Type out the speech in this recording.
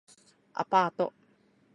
アパート